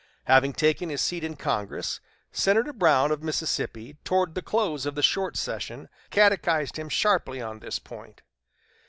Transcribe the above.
Having taken his seat in Congress, Senator Brown of Mississippi, toward the close of the short session, catechized him sharply on this point.